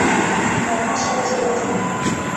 ব্রাহ্মসমাজের লোক নন!